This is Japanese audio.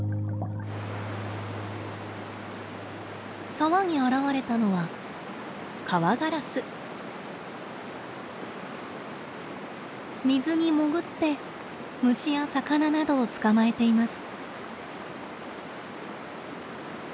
沢に現れたのは水に潜って虫や魚などを捕まえています。